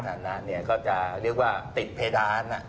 ท้าน้านเนี่ยเขาจะเรียกว่าติดเพดานล่ะ